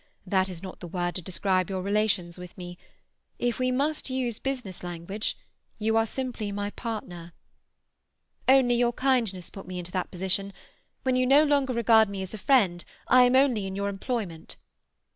That is not the word to describe your relations with me. If we must use business language, you are simply my partner." "Only your kindness put me into that position. When you no longer regard me as a friend, I am only in your employment."